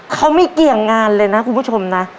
เขาไม่เกี่ยงงานเลยนะคุณผู้ชมนะ